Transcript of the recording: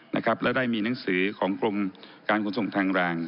และได้มีหนังสือของกรมการขนส่งทางราง